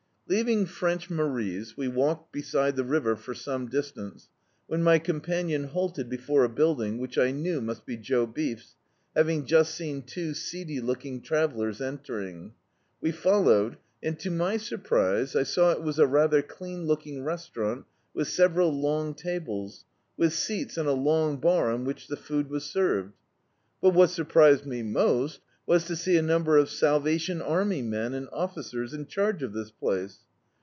Leaving French Marie's we walked be side the river for some distance, when my companion halted before a building, which I knew must be Joe Beefs, having just seen two seedy looking travellers entering. We followed, and to my sur prise, I saw it was a rather clean looking restaurant with several Icmg tables, with seats and a long bar on which the food was served. But what surprised me most was to see a number of Salvatitm Army men and officers in charge of this place.